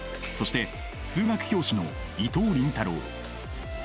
そして数学教師の伊藤倫太郎。